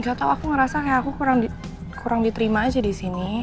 gak tau aku ngerasa kayak aku kurang diterima aja di sini